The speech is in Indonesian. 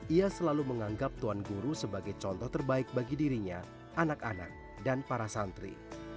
ia selalu menganggap tuan guru sebagai contoh terbaik bagi dirinya anak anak dan para santri